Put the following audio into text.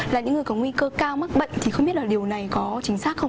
là những người có nguy cơ cao mắc bệnh thì không biết là điều này có chính xác không